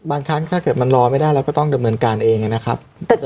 ครั้งถ้าเกิดมันรอไม่ได้เราก็ต้องดำเนินการเองนะครับ